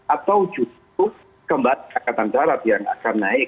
atau justru kembar akatan darat yang akan naik